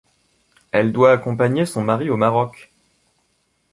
Elle doit accompagner son mari au Maroc.